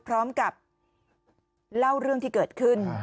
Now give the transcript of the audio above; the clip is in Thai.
พร้อมกับเล่าเรื่องที่เกิดขึ้น